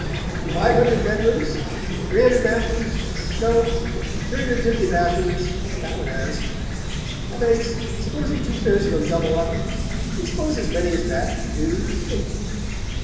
"Five hundred bedrooms three hundred bathrooms no; three hundred and fifty bathrooms, that one has: that makes, supposing two thirds of 'em double up do you s'pose as many as that do, Undie?